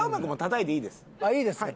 いいですか？